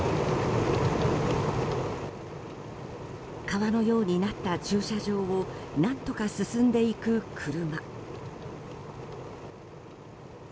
川のようになった駐車場を何とか進んでいく車。